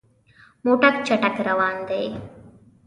موټر چټک روان دی.